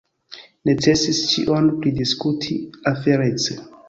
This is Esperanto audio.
Necesis ĉion pridiskuti aferece.